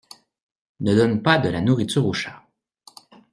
Ne donne pas de la nourriture au chat.